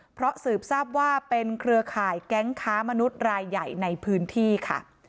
เพราะสืบทราบว่าเป็นเครือข่ายแก๊งค้ามนุษย์รายใหญ่ในพื้นที่ค่ะ